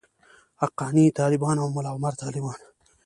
حقاني طالبان او ملاعمر طالبان.